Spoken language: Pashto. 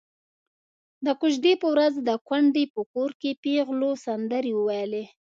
د کوژدې په ورځ د کونډې په کور کې پېغلو سندرې وويلې.